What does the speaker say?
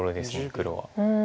黒は。